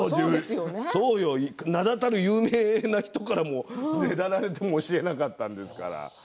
名だたる有名な人からもねだられても教えなかったんだから。